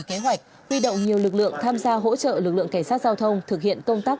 kế hoạch huy động nhiều lực lượng tham gia hỗ trợ lực lượng cảnh sát giao thông thực hiện công tác